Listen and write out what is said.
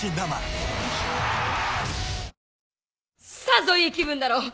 さぞいい気分だろう。